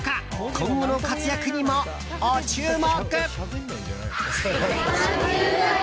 今後の活躍にも、お注目！